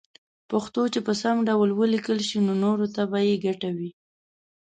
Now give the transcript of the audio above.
پښتو چې په سم ډول وليکلې شي نو نوره ته به يې ګټه وي